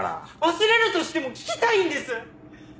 忘れるとしても聴きたいんです！